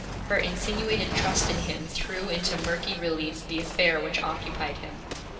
Her insinuated trust in him threw into murky relief the affair which occupied him.